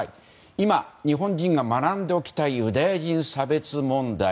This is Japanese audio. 今、日本人が学んでおきたいユダヤ人差別問題。